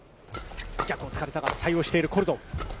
逆をつかれたが、対応しているコルドン。